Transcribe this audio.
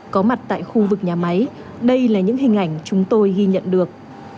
có mặt tại khu vực nhà máy đây là những hình ảnh chúng tôi ghi nhận được